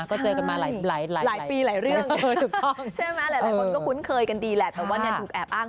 ก็เจอกันมาหลายปีหลายเรื่องใช่ไหมหลายคนก็คุ้นเคยกันดีแหละแต่ว่าถูกแอบอ้าง